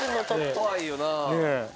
怖いよな。